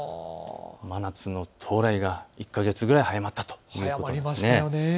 真夏の到来が１か月くらい早まったということになります。